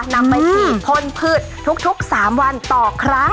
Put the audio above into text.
นำไปผิดพลผืดทุก๓วันต่อครั้ง